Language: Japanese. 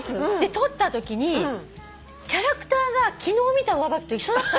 取ったときにキャラクターが昨日見た上履きと一緒だったの。